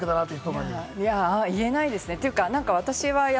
言えないですね。